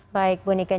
baik bu niken